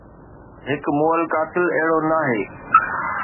هڪ مئل قاتل اهڙو ناهي